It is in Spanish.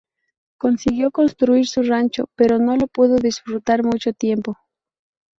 Consiguió construir su rancho, pero no lo pudo disfrutar mucho tiempo.